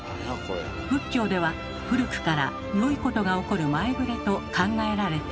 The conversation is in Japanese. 仏教では古くから良いことが起こる前触れと考えられていました。